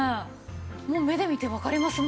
もう目で見てわかりますもんね。